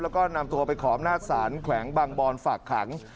แล้วก็นำตัวไปขอบหน้าสารแขวงบังบอนฝากหัง